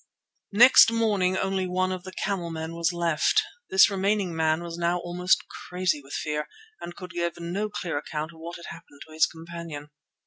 Next morning only one of the camelmen was left. This remaining man was now almost crazy with fear, and could give no clear account of what had happened to his companion.